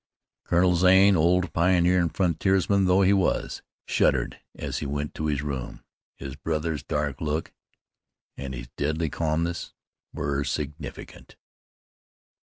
Colonel Zane, old pioneer and frontiersman though he was, shuddered as he went to his room. His brother's dark look, and his deadly calmness, were significant.